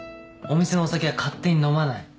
お店のお酒は勝手に飲まない。